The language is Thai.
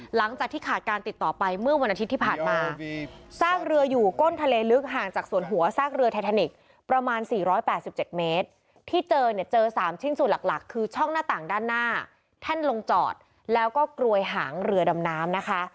หลังจากที่ขาดการติดต่อไปเมื่อวันอาทิตย์ที่ผ่านมาซากเรืออยู่ก้นทะเลลึกห่างจากส่วนหัวซากเรือไททานิกส์ประมาณ๔๘๗เมตรที่เจอเนี่ยเจอ๓ชิ้นส่วนหลักคือช่องหน้าต่างด้านหน้าแท่นลงจอดแล้วก็กรวยหางเรือดำน้ำนะคะ